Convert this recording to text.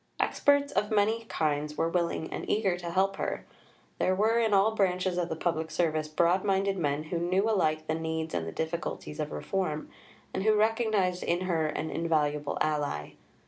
Experts of many kinds were willing and eager to help her. There were in all branches of the public service broad minded men who knew alike the needs and the difficulties of reform, and who recognized in her an invaluable ally.